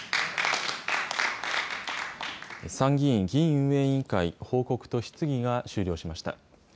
参議院議院運営委員会報告と質疑が終了しました。